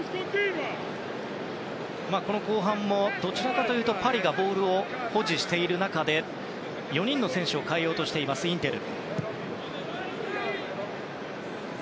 この後半もどちらかというとパリがボールを保持している中で４人の選手を代えようとしているインテル。